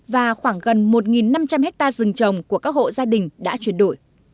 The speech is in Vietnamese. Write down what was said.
và khoảng gần một năm trăm linh hectare rừng trồng của các hộ gia đình đã chuyển đổi